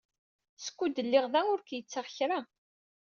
Skud lliɣ da, ur k-yettaɣ kra.